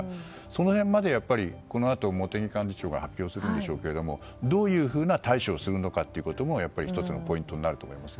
その辺まで、このあと茂木幹事長が発表するんでしょうけどどういうふうな対処をするのかも１つのポイントになると思います。